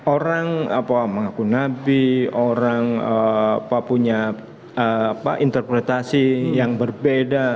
orang mengaku nabi orang punya interpretasi yang berbeda